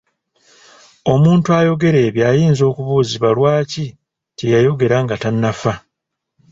Omuntu ayogera ebyo ayinza okubuuzibwa lwaki teyayogera nga tannafa?